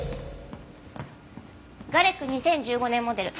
ガレック２０１５年モデル。